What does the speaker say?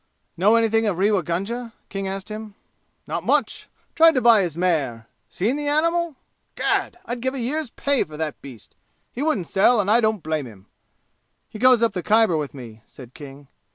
"Know anything of Rewa Gunga?" King asked him. "Not much. Tried to buy his mare. Seen the animal? Gad! I'd give a year's pay for that beast! He wouldn't sell and I don't blame him." "He goes up the Khyber with me," said King.